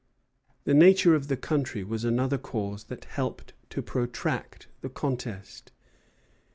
The nature of the country was another cause that helped to protract the contest.